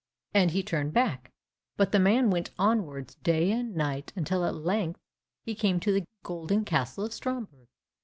And he turned back, but the man went onwards day and night, until at length he came to the golden castle of Stromberg.